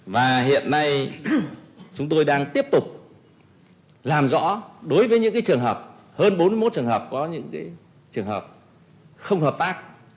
và hiện nay chúng tôi đang tiếp tục làm rõ đối với những trường hợp hơn bốn mươi một trường hợp có những trường hợp không hợp tác